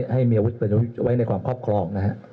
ให้มีอาวุฒิปืนให้ไว้ในความครอบครองนะครับ